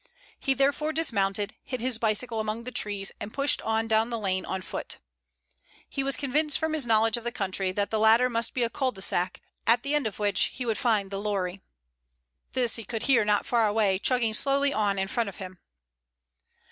He therefore dismounted, hid his bicycle among the trees, and pushed on down the lane on foot. He was convinced from his knowledge of the country that the latter must be a cul de sac, at the end of which he would find the lorry. This he could hear not far away, chugging slowly on in front of him.